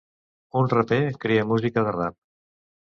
Un raper crea música de rap.